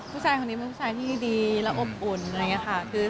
ผู้ชายคนนี้รู้สึกว่ารู้สึกว่าพวกชายแบบดีอบอ่น